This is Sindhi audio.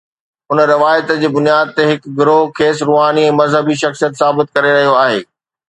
ان روايت جي بنياد تي هڪ گروهه کيس روحاني ۽ مذهبي شخصيت ثابت ڪري رهيو آهي.